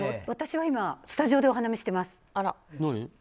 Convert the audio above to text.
私は今スタジオでお花見しています。